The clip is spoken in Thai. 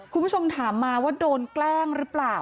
คุณผู้ชมถามมาว่าโดนแกล้งหรือเปล่า